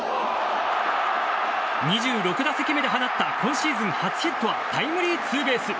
２６打席目で放った今シーズン初ヒットはタイムリーツーベース。